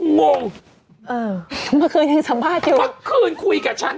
งงเออเมื่อคืนยังสัมภาษณ์อยู่เมื่อคืนคุยกับฉัน